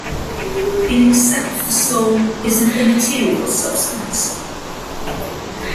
In itself, the soul is an immaterial substance.